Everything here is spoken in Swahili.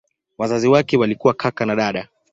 Wazazi wake walikuwa kaka na dada.